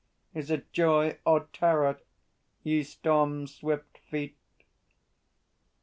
. Is it joy or terror, ye storm swift feet? .